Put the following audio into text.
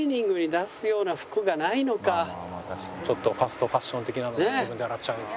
ちょっとファストファッション的なのは自分で洗っちゃうって。